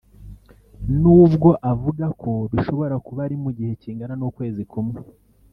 n’ubwo avuga ko bishobora kuba ari mu gihe kingana n’ukwezi kumwe